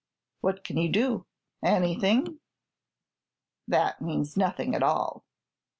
"What can you do?" "Anything." "That means nothing at all."